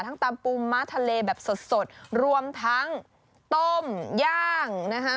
ตำปูม้าทะเลแบบสดรวมทั้งต้มย่างนะคะ